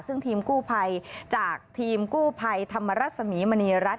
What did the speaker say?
ซึ่งทีมกู้ภัยจากทีมกู้ภัยธรรมรัศมีมณีรัฐ